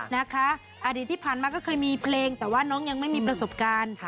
อดีตที่ผ่านมาก็เคยมีเพลงแต่ว่าน้องยังไม่มีประสบการณ์